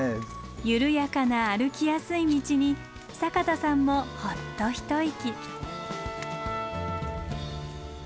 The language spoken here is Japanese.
緩やかな歩きやすい道に坂田さんもほっと一息。